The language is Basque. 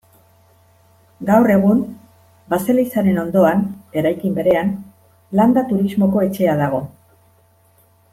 Gaur egun, baselizaren ondoan, eraikin berean, landa-turismoko etxea dago.